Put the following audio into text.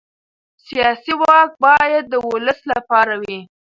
سیاسي واک باید د ولس لپاره وي